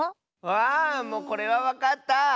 あもうこれはわかった！